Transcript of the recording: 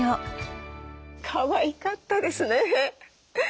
かわいかったですね。